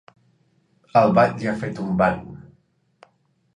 El batlle ha fet un ban.